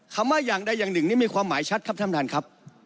คำว่าอย่างใดอย่างหนึ่งนี่มีความหมายชัดครับท่านประธานครับ